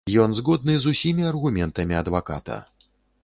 Ён згодны з усімі аргументамі адваката.